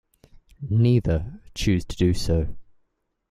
Neither chose to do so.